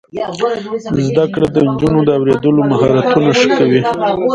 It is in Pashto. زده کړه د نجونو د اوریدلو مهارتونه ښه کوي.